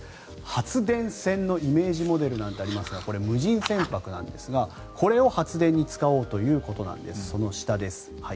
発電船のイメージモデルなんてありますがこれは無人船舶なんですがこれを発電に使おうということなんです。